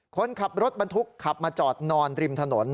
คนขับรถบรรทุกขับมาจอดนอนริมถนน